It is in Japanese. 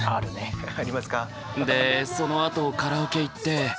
でそのあとカラオケ行って。